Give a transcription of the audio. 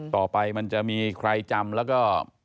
มันจะมีใครจำแล้วก็